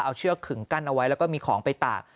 เอาเชือกขึงกั้นเอาไว้แล้วก็มีของไปตาก